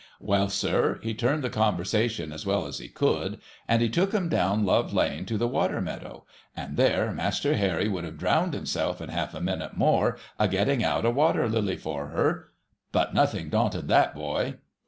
Well, sir, he turned the conversation as well as he could, and he took 'em down Love lane to the water meadows, and there Master Harry would have drowned himself in half a moment more, a getting out a water lily for her, — but nothing daunted that boy.